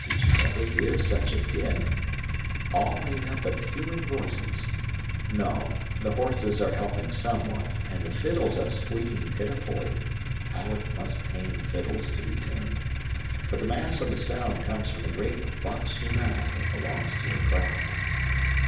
Did you ever hear such a din? All made up of human voices no, the horses are helping somewhat, and the fiddles are squeaking pitifully (how it must pain fiddles to be tuned!), but the mass of the sound comes from the great vox humana that belongs to a crowd.